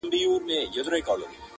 شاعرانو به کټ مټ را نقلوله،